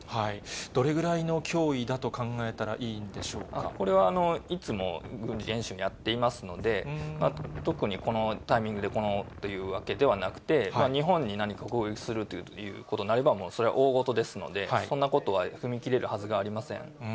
どれぐらいの脅威だと考えたこれは、いつも軍事演習をやっていますので、特にこのタイミングで、このというわけではなくて、日本に何か攻撃するということになれば、それは大ごとですので、そんなことは踏み切れるはずがありません。